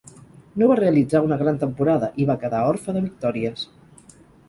No va realitzar una gran temporada i va quedar orfe de victòries.